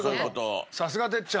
さすが哲ちゃん。